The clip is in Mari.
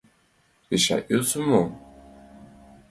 Пешак йӧсӧ мо?